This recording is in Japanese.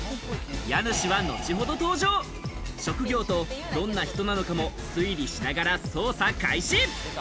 家主は後ほど登場、職業とどんな人なのかも推理しながら捜査開始。